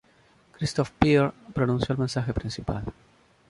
Christophe Pierre, pronunció el mensaje principal.